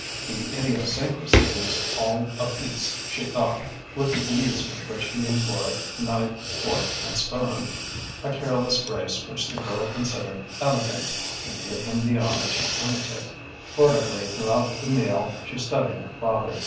The idiosyncrasy was all a piece (she thought) with the ease with which he employed knife, fork, and spoon: a careless grace which the girl considered "elegant" and did him the honour to imitate. Furtively throughout the meal she studied her father.